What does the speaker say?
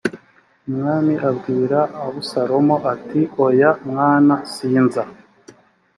umwami abwira abusalomu ati oya mwana sinza